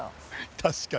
確かに。